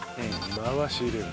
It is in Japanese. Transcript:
回し入れる。